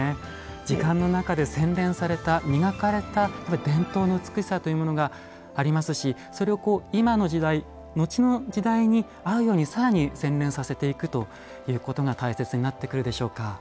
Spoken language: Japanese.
時間の中で洗練された磨かれた伝統の美しさというものがありますしそれを今の時代後の時代に合うように更に洗練させていくということが大切になってくるでしょうか。